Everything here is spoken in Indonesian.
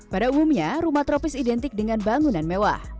pada umumnya rumah tropis identik dengan bangunan mewah